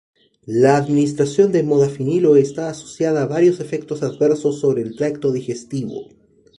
La administración de modafinilo está asociada a varios efectos adversos sobre el tracto digestivo.